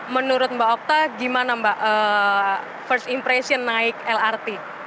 menurut mbak okta bagaimana mbak first impression naik lrt